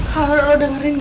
haro dengerin gua